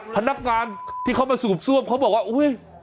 พนักงานที่เข้ามาสูบเขาบอกว่า